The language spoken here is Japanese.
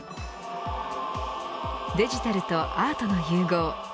デジタルとアートの融合。